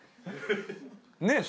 ねえ？